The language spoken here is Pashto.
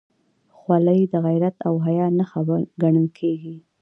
خولۍ د غیرت او حیا نښه ګڼل کېږي.